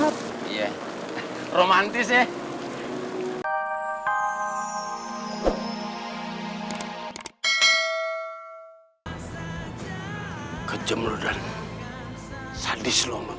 tante mira kenapa nangis pak